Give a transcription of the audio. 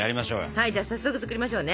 はいじゃ早速作りましょうね。